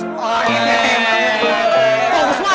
waktunya untuk ales